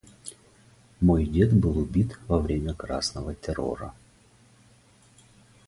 Мой дед был убит во время красного террора.